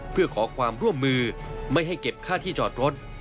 เพื่อขอความร่วมมือไม่ให้เก็บค่าที่จอดรถ